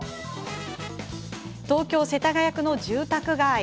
東京・世田谷区の住宅街。